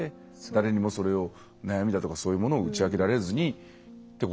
誰にもそれを悩みだとかそういうものを打ち明けられずにってことなのかな。